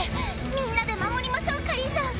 みんなで守りましょう夏凜さん。